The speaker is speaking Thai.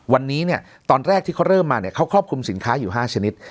วันนี้เนี่ยตอนแรกที่เขาเริ่มมาเนี่ยเขาครอบคลุมสินค้าอยู่๕ชนิด